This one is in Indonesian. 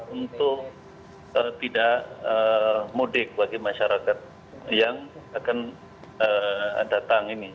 untuk tidak mudik bagi masyarakat yang akan datang ini